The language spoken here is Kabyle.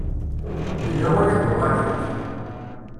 D lawan ad uɣalent.